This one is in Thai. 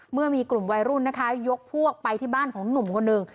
เมื่อมีกลุ่มวัยรุ่นนะคะยกพวกไปที่บ้านของหนุ่มคนหนึ่ง